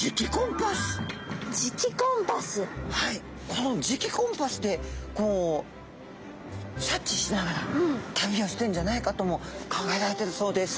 この磁気コンパスでこう察知しながら旅をしてんじゃないかとも考えられてるそうです。